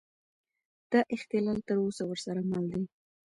دا اختلال تر اوسه ورسره مل دی.